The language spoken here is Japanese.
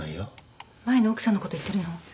前の奥さんのこと言ってるの？